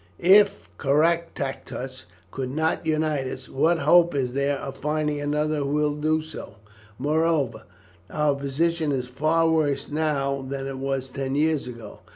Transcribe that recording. "If Caractacus could not unite us, what hope is there of finding another who would do so? Moreover, our position is far worse now than it was ten years ago.